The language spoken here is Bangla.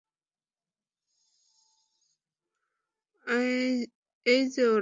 অই যে ওরা!